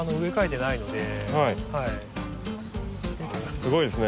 すごいですね。